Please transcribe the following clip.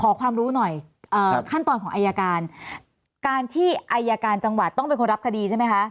ขอความรู้หน่อยขั้นตอนของอายการการที่อายการจังหวัดต้องเป็นคนรับคดีใช่ไหมคะ